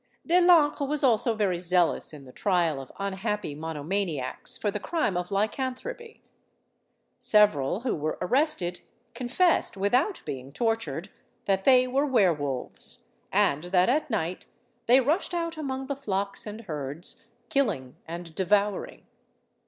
De l'Ancre was also very zealous in the trial of unhappy monomaniacs for the crime of lycanthropy. Several who were arrested confessed, without being tortured, that they were weir wolves, and that at night they rushed out among the flocks and herds killing and devouring.